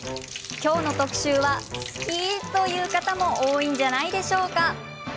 今日の特集は好きという方も多いんじゃないでしょうか？